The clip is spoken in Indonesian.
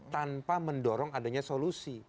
tanpa mendorong adanya solusi